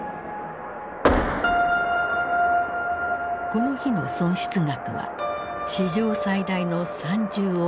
この日の損失額は史上最大の３０億ドル。